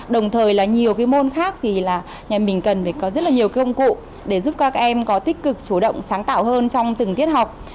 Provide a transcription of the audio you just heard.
đồng thời nhiều môn khác nhà mình cần phải có rất nhiều công cụ để giúp các em có tích cực chủ động sáng tạo hơn trong từng tiết học